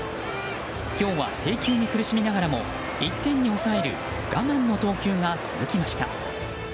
今日は制球に苦しみながらも１点に抑える我慢の投球が続きました。